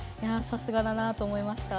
さすがだなと思いました。